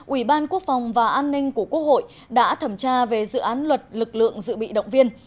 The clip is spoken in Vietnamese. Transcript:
ủy ban quốc phòng và an ninh của quốc hội đã thẩm tra về dự án luật lực lượng dự bị động viên